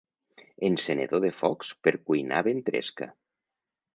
Encenedor de focs per cuinar ventresca.